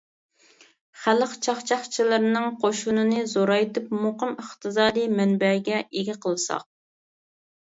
خەلق چاقچاقچىلىرىنىڭ قوشۇنىنى زورايتىپ، مۇقىم ئىقتىسادىي مەنبەگە ئىگە قىلساق.